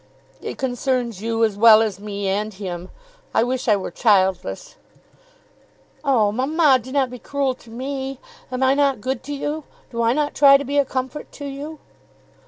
"It concerns you as well as me and him. I wish I were childless." "Oh, mamma, do not be cruel to me! Am I not good to you? Do I not try to be a comfort to you?"